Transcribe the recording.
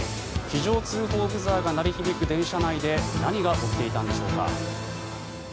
非常通報ブザーが鳴り響く電車内で何が起きていたんでしょうか。